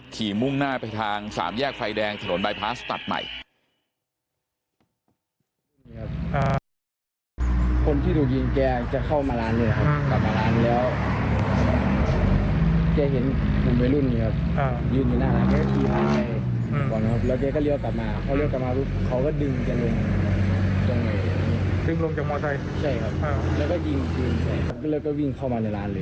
มุ่งหน้าไปทางสามแยกไฟแดงถนนบายพลาสตัดใหม่